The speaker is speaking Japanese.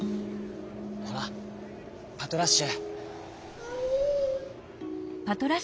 ほらパトラッシュ」。